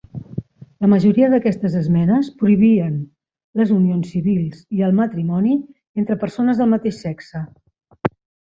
La majoria d'aquestes esmenes prohibien les unions civils i el matrimoni entre persones del mateix sexe.